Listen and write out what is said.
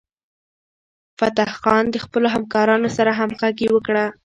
فتح خان د خپلو همکارانو سره همغږي وکړه.